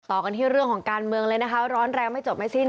ต่อกันที่เรื่องของการเมืองเลยนะคะร้อนแรงไม่จบไม่สิ้น